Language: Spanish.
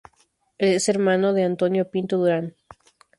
Es hermano de Antonio Pinto Durán.